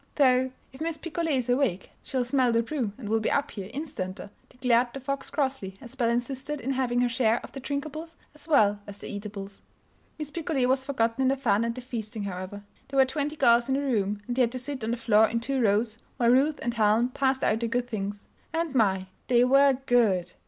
"Though, if Miss Picolet is awake she'll smell the brew and will be up here instanter," declared the Fox, crossly, as Belle insisted in having her share of the drinkables as well as eatables. Miss Picolet was forgotten in the fun and the feasting, however. There were twenty girls in the room, and they had to sit on the floor in two rows while Ruth and Helen passed out the good things. And my! they were good!